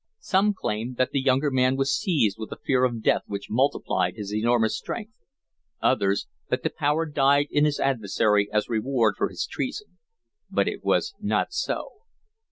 Some claim that the younger man was seized with a fear of death which multiplied his enormous strength, others that the power died in his adversary as reward for his treason; but it was not so.